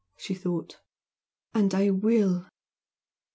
she thought "and I will!"